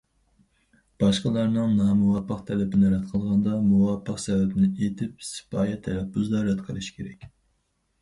باشقىلارنىڭ نامۇۋاپىق تەلىپىنى رەت قىلغاندا، مۇۋاپىق سەۋەبنى ئېيتىپ، سىپايە تەلەپپۇزدا رەت قىلىش كېرەك.